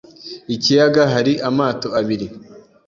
Ikiyaga hari amato abiri.